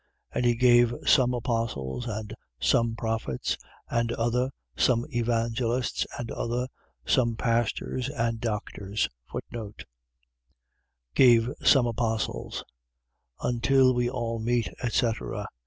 4:11. And he gave some apostles, and some prophets, and other some evangelists, and other some pastors and doctors: Gave some apostles Until we all meet, etc. ..